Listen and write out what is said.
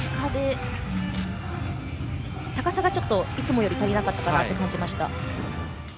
高さがちょっといつもより足りなかったかなと感じました。